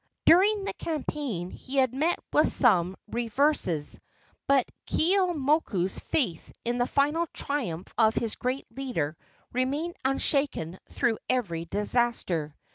During the campaign he had met with some reverses, but Keeaumoku's faith in the final triumph of his great leader remained unshaken through every disaster.